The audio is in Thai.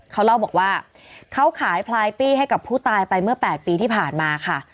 เขาเล่าบอกว่าเขาขายพลายปี้ให้กับผู้ตายไปเมื่อ๘ปีที่ผ่านมาค่ะ